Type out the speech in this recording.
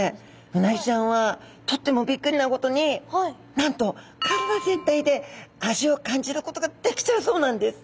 うなぎちゃんはとってもびっくりなことになんと体全体で味を感じることができちゃうそうなんです。